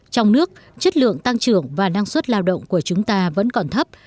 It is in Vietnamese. trong nước chất lượng tăng trưởng và năng suất lao động của chúng ta vẫn còn thấp